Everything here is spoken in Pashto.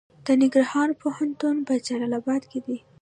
د ننګرهار پوهنتون په جلال اباد کې دی